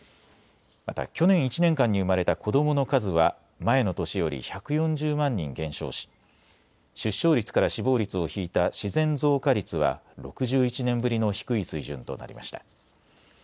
また、去年１年間に生まれた子どもの数は、前の年より１４０万人減少し、出生率から死亡率を引いた自然増加率は、６１年ぶりの低い水準となりました。